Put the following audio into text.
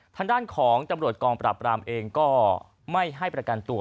ทางด้านของตำรวจกองปราบรามเองก็ไม่ให้ประกันตัว